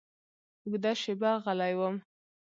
اوږده شېبه غلی و.